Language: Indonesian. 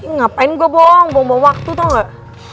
ngapain gue bohong bawa bawa waktu tau gak